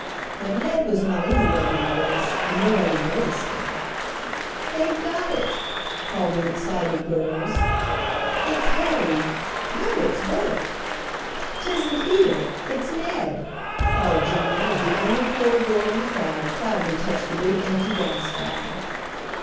But Ned was not in the regular race, and nobody noticed him. "They've got it," called the excited girls. "It's Harry!" "No, it's Bert!" "'Tisn't either it's Ned!" called John, as the only poor boy in the crowd proudly touched the big empty gas bag!